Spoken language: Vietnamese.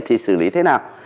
thì xử lý thế nào